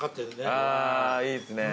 あぁいいですね。